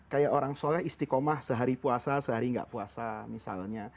kayak orang soleh istiqomah sehari puasa sehari nggak puasa misalnya